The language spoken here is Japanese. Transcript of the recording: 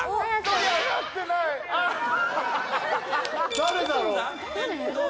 誰だろう？